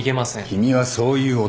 君はそういう男だ。